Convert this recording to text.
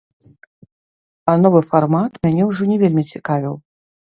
А новы фармат мяне ўжо не вельмі цікавіў.